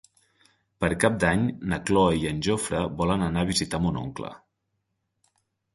Per Cap d'Any na Cloè i en Jofre volen anar a visitar mon oncle.